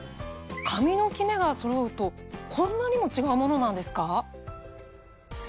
髪のキメがそろうとこんなにも違うものなんですか？